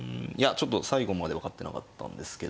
ちょっと最後まで分かってなかったんですけど